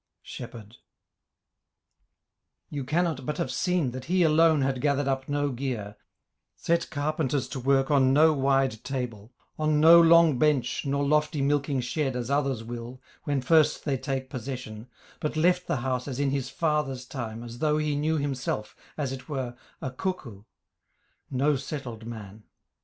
SHEPHERD You cannot but have seen That he alone had gathered up no gear, Set carpenters to work on no wide table, On no long bench nor lofty milking shed As others will, when first they take possession, But left the house as in his father's time As though he knew himself, as it were, a cuckoo, No settled man.